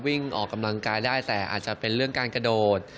วิ่งออกกำลังกายได้แต่อาจจะเป็นเรื่องการกระโดด